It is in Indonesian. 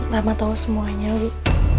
lama tau semuanya bik